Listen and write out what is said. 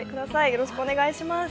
よろしくお願いします。